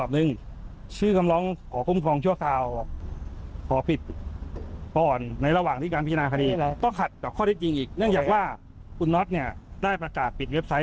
เนื่องจากว่าคุณน็อตเนี่ยได้ประกาศปิดเว็บไซต์